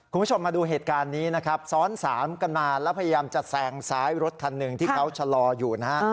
คุณผู้ชมมาดูเหตุการณ์นี้นะครับซ้อนสามกันมาแล้วพยายามจะแซงซ้ายรถคันหนึ่งที่เขาชะลออยู่นะฮะ